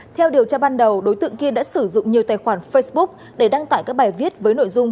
theo điều tra ban đầu đối tượng kiên đã sử dụng nhiều tài khoản facebook để đăng tải các bài viết với nội dung